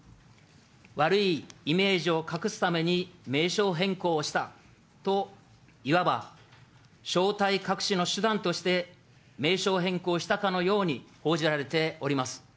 悪いイメージを隠すために名称変更をしたといわば、正体隠しの手段として名称変更したかのように報じられております。